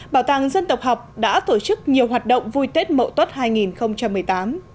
bảo tàng dân tộc học đã tổ chức nhiều hoạt động vui tết mậu tuất hai nghìn một mươi tám